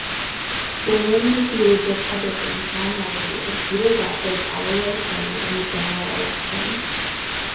Blouin defeated Republican Tom Riley, a Cedar Rapids, Iowa attorney, in the general election.